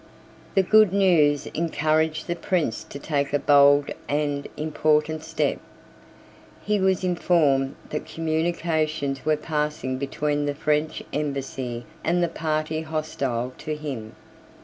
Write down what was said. The good news encouraged the Prince to take a bold and important step. He was informed that communications were passing between the French embassy and the party hostile to him.